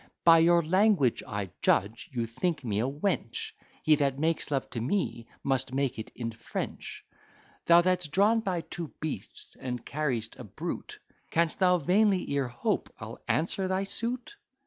By your language, I judge, you think me a wench; He that makes love to me, must make it in French. Thou that's drawn by two beasts, and carry'st a brute, Canst thou vainly e'er hope, I'll answer thy suit?